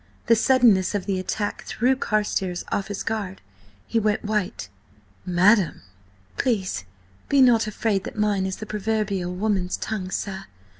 The suddenness of the attack threw Carstares off his guard. He went white. "Madam!" "Please be not afraid that mine is the proverbial woman's tongue, sir.